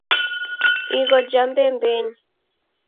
Igho ja mbembenyi